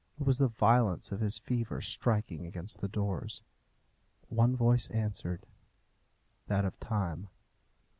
It was the violence of his fever striking against the doors. One voice answered. That of Time.